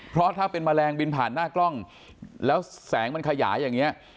เพราะถ้าเป็นแมลงบินผ่านหน้ากล้องแล้วแสงมันขยายอย่างนี้